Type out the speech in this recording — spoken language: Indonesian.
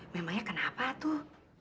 memangnya kenapa tuh